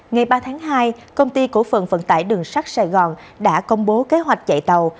ngày ba tháng hai công ty cổ phận vận tải đường sắt sài gòn đã công bố kế hoạch chạy tàu